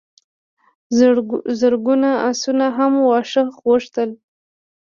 زرګونو آسونو هم واښه غوښتل.